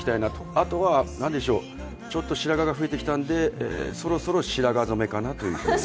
あとは何でしょう、ちょっと白髪が増えてきたんで、そろそろ白髪染めかなと。